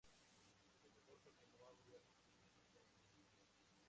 Lo mejor, porque no habríamos tenido nada en ese momento.